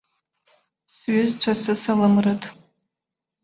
Сҩызцәа сысалам рыҭ!